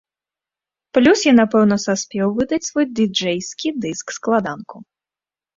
Плюс, я напэўна саспеў выдаць свой дыджэйскі дыск-складанку.